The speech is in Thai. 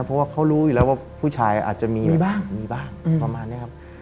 เพราะว่าเขารู้อยู่แล้วว่าผู้ชายอาจจะมีบ้างมีบ้างประมาณนี้ครับ